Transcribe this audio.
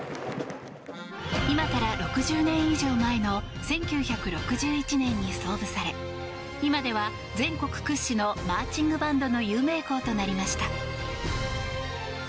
今から６０年以上前の１９６１年に創部され今では全国屈指のマーチングバンドの有名校となりました。